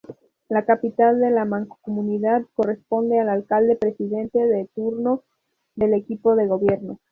La capital de la mancomunidad corresponde al alcalde-presidente de turno del equipo de gobierno.